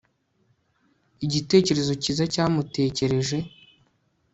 igitekerezo cyiza cyamutekereje